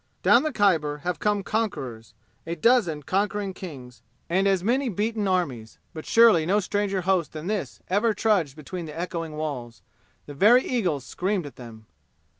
Down the Khyber have come conquerors, a dozen conquering kings, and as many beaten armies; but surely no stranger host than this ever trudged between the echoing walls. The very eagles screamed at them.